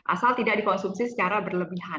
asal tidak dikonsumsi secara berlebihan